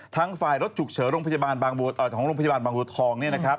ทางฝ่ายรถฉุกเฉินของโรงพยาบาลบางบททอง